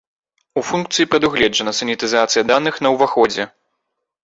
У функцыі прадугледжана санітызацыя даных на ўваходзе.